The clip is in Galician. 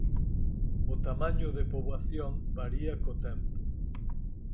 O tamaño de poboación varía co tempo.